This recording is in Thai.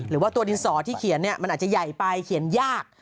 หรือว่าตัวดินสอที่เขียนเนี่ยมันอาจจะใหญ่ไปเขียนยาก